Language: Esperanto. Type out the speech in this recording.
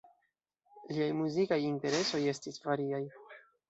Liaj muzikaj interesoj estis variaj.